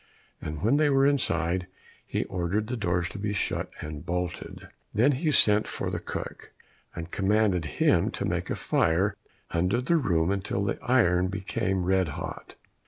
And when they were inside, he ordered the doors to be shut and bolted. Then he sent for the cook, and commanded him to make a fire under the room until the iron became red hot.